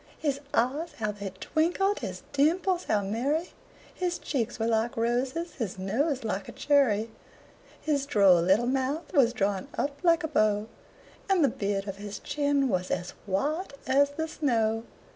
His eyes how they twinkled! his dimples how merry! His cheeks were like roses, his nose like a cherry; His droll little mouth was drawn up like a bow, And the beard on his chin was as white as the snow.